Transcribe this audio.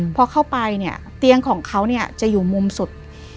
พอเข้าไปเนี่ยเตียงของเขาเนี่ยจะอยู่มุมสุด